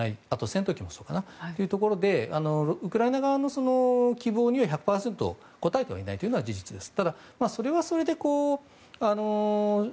戦闘機もそうかな。というところでウクライナ側の希望には１００％応えていないというのが事実です。